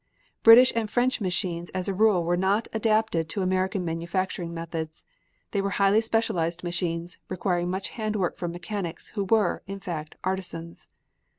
British and French machines as a rule were not adapted to American manufacturing methods. They were highly specialized machines, requiring much hand work from mechanics, who were, in fact, artisans.